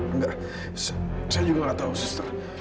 enggak saya juga nggak tahu suster